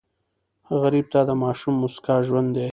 غریب ته د ماشوم موسکا ژوند دی